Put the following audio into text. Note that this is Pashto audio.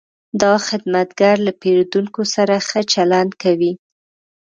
دا خدمتګر له پیرودونکو سره ښه چلند کوي.